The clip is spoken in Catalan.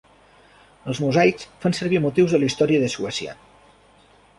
Els mosaics fan servir motius de la història de Suècia.